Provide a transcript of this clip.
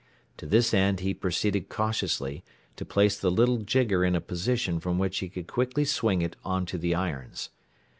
To this end he proceeded cautiously to place the little jigger in a position from which he could quickly swing it onto the irons.